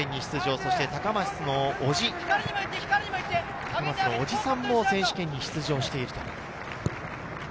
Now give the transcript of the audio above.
そして高松のおじも選手権に出場している。